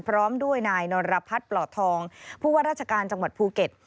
พร้อมด้วยนายนรพัฒน์ปลอดทองผู้ว่าราชการจังหวัดภูเก็ต